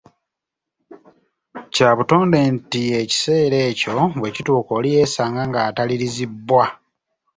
Kya butonde nti ekiseera ekyo bwe kituuka oli yeesanga nga atwalirizibbwa.